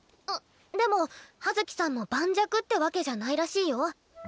あっでも葉月さんも盤石ってわけじゃないらしいよ。